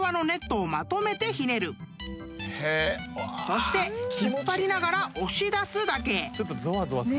［そして引っ張りながら押し出すだけ］